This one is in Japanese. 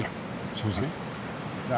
そうですか。